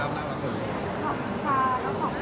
แล้วขอบคุณทุกคน